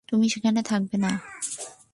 তুমি সেখানে থাকবে না।